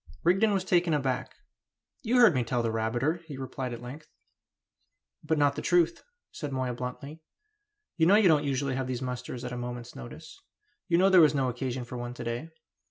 Rigden was taken aback. "You heard me tell that rabbiter," he replied at length. "But not the truth," said Moya bluntly. "You know you don't usually have these musters at a moment's notice; you know there was no occasion for one to day.